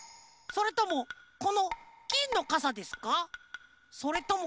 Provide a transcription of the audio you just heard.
それともこのぎんのかさでしょうか？